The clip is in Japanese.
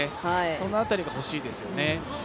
その辺りが欲しいですよね。